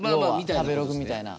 食べログみたいな。